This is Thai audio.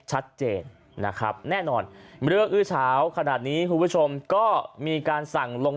ชัดเจนนะครับแน่นอนเรื่องอื้อเช้าขนาดนี้คุณผู้ชมก็มีการสั่งลง